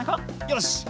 よし。